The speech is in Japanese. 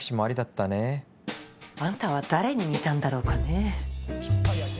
あんたは誰に似たんだろうかねぇ。